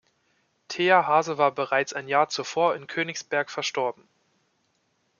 Thea Haase war bereits ein Jahr zuvor in Königsberg verstorben.